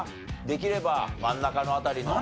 できれば真ん中の辺りの。